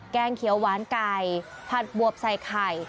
แกงเขียวหวานไก่ผัดบวบใส่ไข่